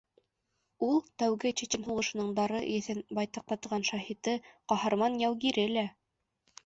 Ул — тәүге Чечен һуғышының дары еҫен байтаҡ татыған шаһиты, ҡаһарман яугире лә.